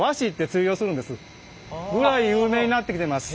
ぐらい有名になってきてます。